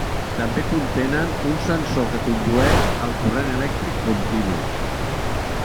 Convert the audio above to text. També contenen un sensor que condueix el corrent elèctric continu.